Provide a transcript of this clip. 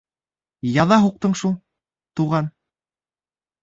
— Яҙа һуҡтың шул, туған.